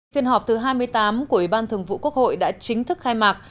phiên họp thứ hai mươi tám của ủy ban thường vụ quốc hội đã chính thức khai mạc